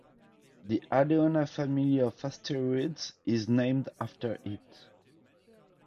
The Adeona family of asteroids is named after it.